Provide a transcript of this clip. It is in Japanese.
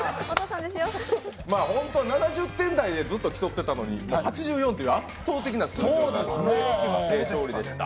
ホント、７０点台でずっと競ってたのに、もう８４っていう圧倒的な数字での勝利でした。